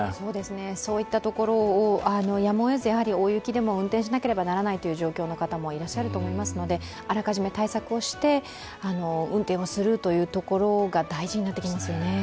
そういったところをやむをえず大雪でも運転しなければならないという状況の方もいらっしゃると思いますのであらかじめ対策をして運転をするというところが大事になってきますよね。